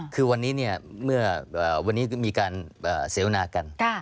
คือวันนี้เมื่อวันนี้มีการเสวนากัน